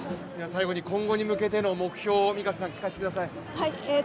最後に今後に向けての目標を聞かせてください。